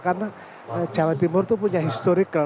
karena jawa timur itu punya historical